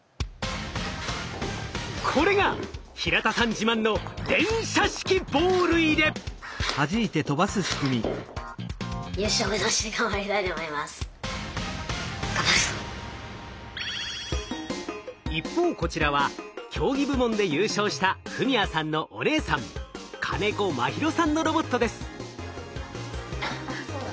これが平田さん自慢の一方こちらは競技部門で優勝した史哉さんのお姉さん金子茉尋さんのロボットです。